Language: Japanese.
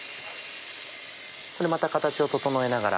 また形を整えながら。